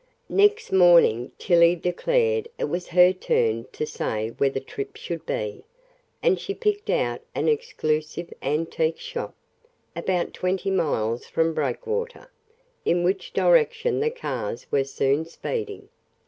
Next morning Tillie declared it was her turn to say where the trip should be, and she picked out an exclusive antique shop, about twenty miles from Breakwater, in which direction the cars were soon speeding.